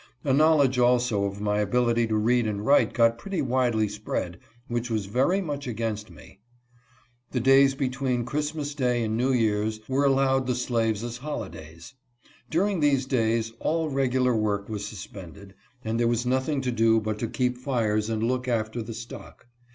A knowledge also of my ability to read and write got pretty widely spread, which was very much against me. I The days between Christmas day and New Year's were allowed the slaves as holidays. During these days all regular work was suspended, and there was nothing to do but to keep fires and look after the stock.